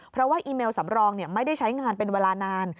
เพราะว่าอีเมลสำรองไม่ได้ใช้งานเป็นเวลานาน